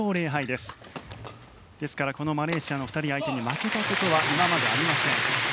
ですからマレーシアの２人相手に負けたことは今までありません。